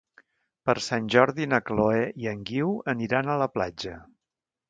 Per Sant Jordi na Chloé i en Guiu aniran a la platja.